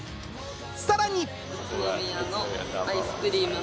さらに。